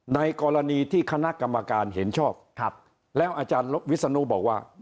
ในกรณีที่คณะกรรมการเห็นชอบแล้วอาจารย์วิศนุบอกว่า